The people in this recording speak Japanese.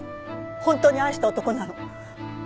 本当に愛した男なの。